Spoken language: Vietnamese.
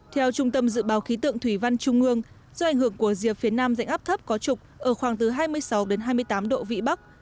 theo trung tâm dự báo khí tượng thủy văn trung ương do ảnh hưởng của rìa phía nam dạnh áp thấp có trục ở khoảng từ hai mươi sáu hai mươi tám độ vị bắc